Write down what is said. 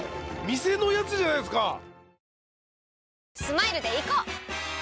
店のやつじゃないですか！